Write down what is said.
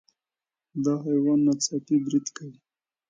دا حیوان ناڅاپي برید کوي.